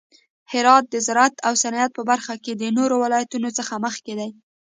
هرات د زراعت او صنعت په برخه کې د نورو ولایتونو څخه مخکې دی.